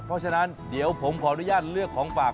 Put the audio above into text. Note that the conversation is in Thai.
เพราะฉะนั้นเดี๋ยวผมขออนุญาตเลือกของฝาก